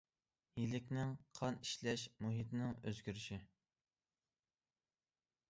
يىلىكنىڭ قان ئىشلەش مۇھىتىنىڭ ئۆزگىرىشى.